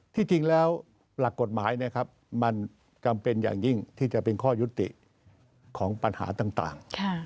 ที่จริงแล้วหลักกฎหมายมันจำเป็นอย่างยิ่งที่จะเป็นข้อยุติของปัญหาต่าง